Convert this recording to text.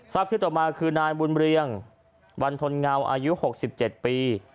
ชื่อต่อมาคือนายบุญเรียงวันทนเงาอายุ๖๗ปี